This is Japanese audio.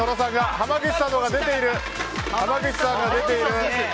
濱口さんのほうが出ている。